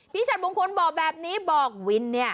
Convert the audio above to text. พี่ฉัตรมงคลบอกแบบนี้บอกวิน